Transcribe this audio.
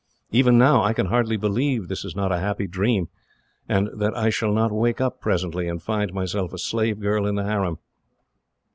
Even now, I can hardly believe this is not a happy dream, and that I shall not wake up, presently, and find myself a slave girl in the harem."